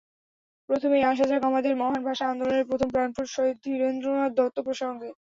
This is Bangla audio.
প্রথমেই আসা যাক আমাদের মহান ভাষা আন্দোলনের প্রথম প্রাণপুরুষ শহীদ ধীরেন্দ্রনাথ দত্ত প্রসঙ্গে।